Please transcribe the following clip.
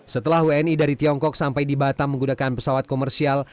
setelah wni dari tiongkok sampai di batam menggunakan pesawat komersial